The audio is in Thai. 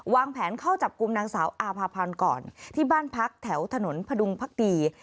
วางแผนเข้าจับกลุ่มนางสาวอาภาพันธ์ก่อนที่บ้านพักแถวถนนพดุงพักดี